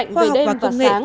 khiến trời lạnh về đêm